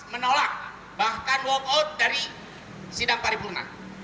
menolak bahkan walk out dari sidang paripurna